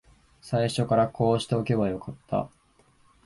最初からこうしておけばよかった